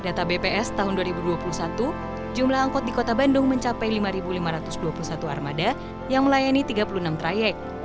data bps tahun dua ribu dua puluh satu jumlah angkot di kota bandung mencapai lima lima ratus dua puluh satu armada yang melayani tiga puluh enam trayek